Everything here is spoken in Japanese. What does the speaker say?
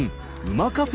馬カフェ。